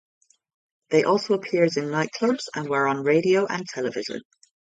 They also appeared in nightclubs and were on radio and television.